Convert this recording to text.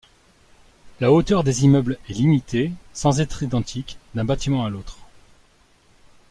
La hauteur des immeubles est limitée sans être identique d'un bâtiment à l'autre.